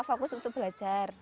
fokus untuk belajar